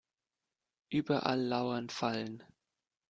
Überall lauern Fallen.